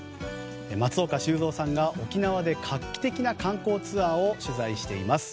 松岡修造さんが沖縄で、画期的な観光ツアーを取材しています。